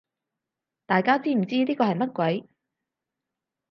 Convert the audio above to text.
大家知唔知呢個係乜鬼